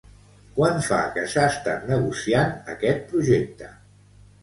Quant fa que s'ha estat negociant aquest projecte?